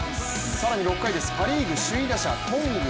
さらに６回、パ・リーグ首位打者・頓宮。